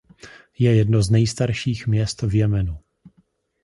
Je to jedno z nejstarších měst v Jemenu.